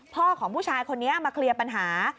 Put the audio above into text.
ของผู้ชายคนนี้มาเคลียร์ปัญหา